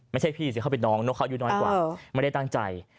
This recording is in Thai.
ไม่ใช่พี่สิเขาเป็นน้องนกเขาอายุน้อยกว่าไม่ได้ตั้งใจ